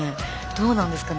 どうなんですかね？